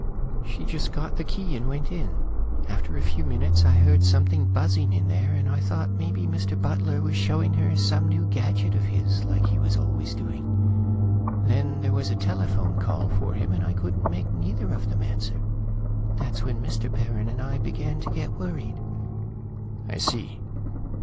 She just got the key and went in. After a few minutes I heard something buzzing in there, and I thought maybe Mr. Butler was showing her some new gadget of his, like he was always doing. Then there was a telephone call for him, and I couldn't make neither of them answer; that's when Mr. Perrin and I began to get worried." "I see."